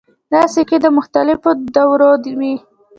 دا سکې د مختلفو دورو وې